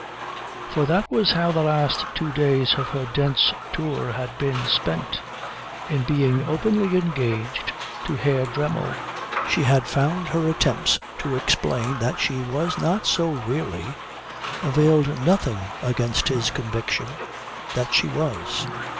For that was how the last two days of her Dent's Tour had been spent, in being openly engaged to Herr Dremmel. She had found her attempts to explain that she was not so really availed nothing against his conviction that she was.